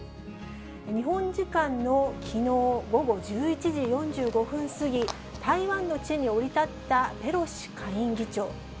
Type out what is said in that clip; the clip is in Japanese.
日本時間のきのう午後１１時４５分過ぎ、台湾の地に降り立ったペロシ下院議長。